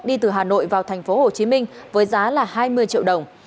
đi từ hà nội vào thành phố hồ chí minh với giá là hai mươi triệu đồng